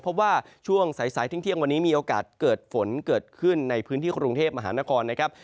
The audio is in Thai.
เพราะว่าช่วงสายทิ้งเที่ยงวันนี้มีโอกาสเกิดฝนเกิดขึ้นในพื้นที่กรุงเทพมหานครนะครับ